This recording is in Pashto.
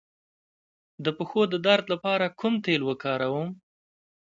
د پښو د درد لپاره کوم تېل وکاروم؟